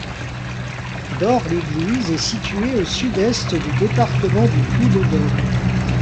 Dore-l'Église est située au sud-est du département du Puy-de-Dôme.